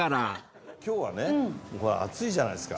今日はね暑いじゃないですか。